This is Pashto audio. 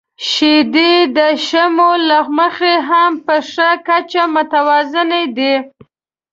• شیدې د شحمو له مخې هم په ښه کچه متوازنه دي.